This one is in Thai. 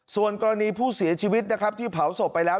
ส่วนกรณีผู้เสียชีวิตนะครับที่เผาศพไปแล้ว